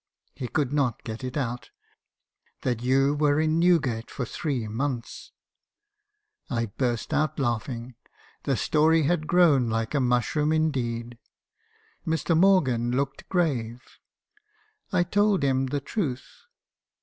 He could not get it out, — 'that you were in Newgate for three months !' I burst out laughing; the story had grown like a mushroom indeed. Mr. Morgan looked grave. I told him the truth.